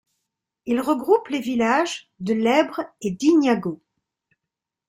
Il regroupe les villages de Lebre et Dignago.